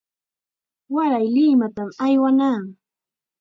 Waray Limatam aywanaa.